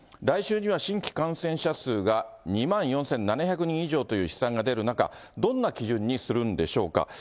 来週には、新規感染者数が２万４７００人以上という試算が出る中、どんな基準にするんでしょうか。